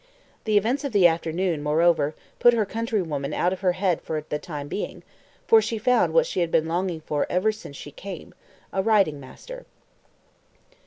The events of the afternoon, moreover, put her countrywoman out of her head for the time being, for she found what she had been longing for ever since she came a riding master.